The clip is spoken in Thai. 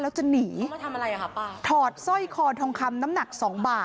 ปี๖๕วันเกิดปี๖๔ไปร่วมงานเช่นเดียวกัน